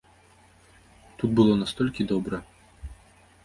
Тут было настолькі добра!